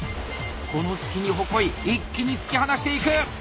この隙に鉾井一気に突き放していく！